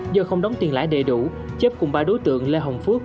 do không đóng tiền lãi đầy đủ chất cùng ba đối tượng lê hồng phước